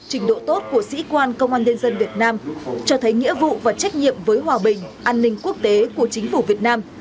trình độ tốt của sĩ quan công an liên dân việt nam cho thấy nghĩa vụ và trách nhiệm với hòa bình an ninh quốc tế của chính phủ việt nam